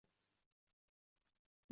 hayotga va o‘z kuchiga ishontiradi